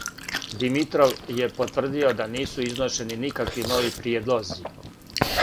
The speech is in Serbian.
Димитров је потврдио да нису изношени никакви нови приједлози.